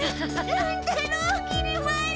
乱太郎きり丸！